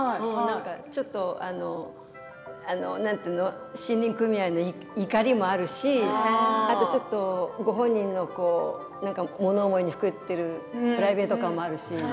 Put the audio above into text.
ちょっと森林組合の怒りもあるしご本人のもの思いにふけっているプライベート感もあるし。